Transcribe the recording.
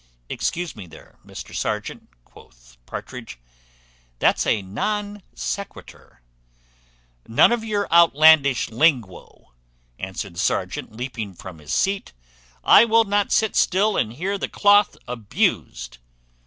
"Excuse me there, Mr Serjeant," quoth Partridge, "that's a non sequitur." "None of your outlandish linguo," answered the serjeant, leaping from his seat; "I will not sit still and hear the cloth abused."